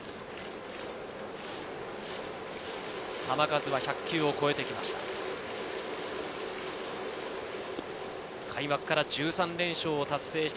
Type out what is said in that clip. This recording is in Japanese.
球数１００球を超えてきました。